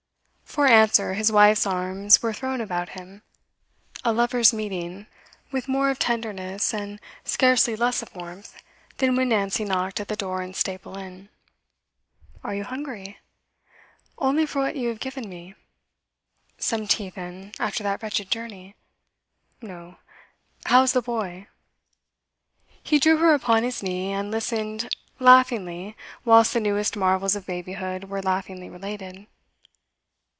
For answer, his wife's arms were thrown about him. A lovers' meeting, with more of tenderness, and scarcely less of warmth, than when Nancy knocked at the door in Staple Inn. 'Are you hungry?' 'Only for what you have given me.' 'Some tea, then, after that wretched journey.' 'No. How's the boy?' He drew her upon his knee, and listened laughingly whilst the newest marvels of babyhood were laughingly related.